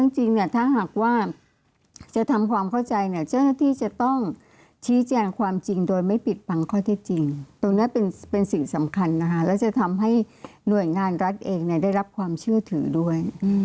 จริงเนี่ยถ้าหากว่าจะทำความเข้าใจเนี่ยเจ้าหน้าที่จะต้องชี้แจงความจริงโดยไม่ปิดปังข้อเท็จจริงตรงนี้เป็นสิ่งสำคัญนะคะแล้วจะทำให้หน่วยงานรัฐเองได้รับความเชื่อถือด้วย